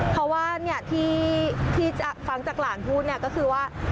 เพราะว่าที่ฟังจากหลานพูดเนี่ยก็คือว่า